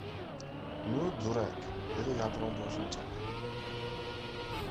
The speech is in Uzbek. — Nu, durak!— dedi yaltiroq boshini chayqab.